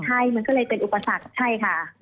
ใช่มันก็เลยเป็นอุปสรรคใช่ค่ะ